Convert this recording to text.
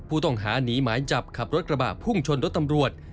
ผู้ต้องหาหนีหมายจับขับรถกระบะพุ่งชนรถตำรวจ